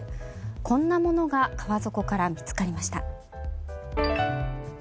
こんなものが川底から見つかりました。